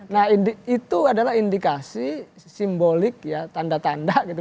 nah itu adalah indikasi simbolik ya tanda tanda gitu